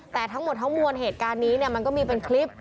แต่ทั้งหมดทั้งมวลเหตุการณ์นี้มันก็มีเป็นคลิป